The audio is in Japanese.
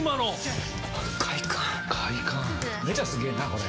めちゃすげぇなこれ！